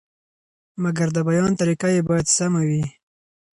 مګر د بیان طریقه یې باید سمه وي.